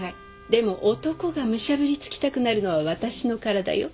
でも男がむしゃぶりつきたくなるのは私の体よ。